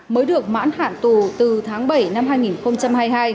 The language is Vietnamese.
mới được mãn hạn tù từ tháng bảy năm hai nghìn hai mươi hai